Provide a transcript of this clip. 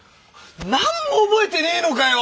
何も覚えてねえのかよ！？